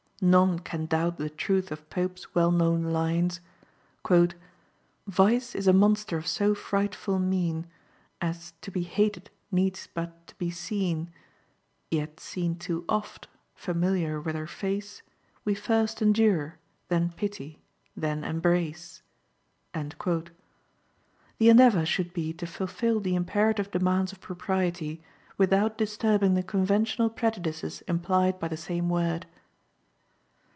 None can doubt the truth of Pope's well known lines: "Vice is a monster of so frightful mien, As, to be hated, needs but to be seen; Yet seen too oft, familiar with her face, We first endure, then pity, then embrace." The endeavor should be to fulfill the imperative demands of propriety, without disturbing the conventional prejudices implied by the same word.